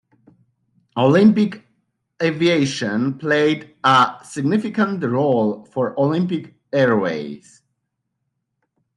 Olympic Aviation played a significant role for Olympic Airways.